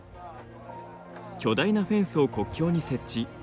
巨大なフェンスを国境に設置。